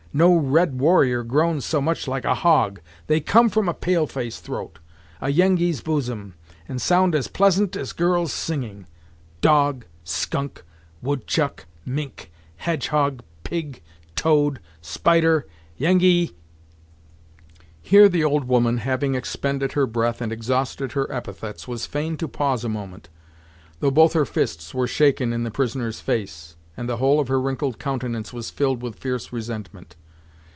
no red warrior groans so much like a hog. They come from a pale face throat a Yengeese bosom, and sound as pleasant as girls singing Dog skunk woodchuck mink hedgehog pig toad spider yengee " Here the old woman, having expended her breath and exhausted her epithets, was fain to pause a moment, though both her fists were shaken in the prisoner's face, and the whole of her wrinkled countenance was filled with fierce resentment.